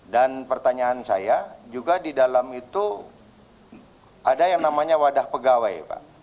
dan pertanyaan saya juga di dalam itu ada yang namanya wadah pegawai